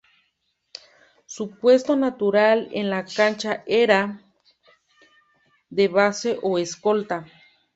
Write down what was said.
Su puesto natural en la cancha era el de base o escolta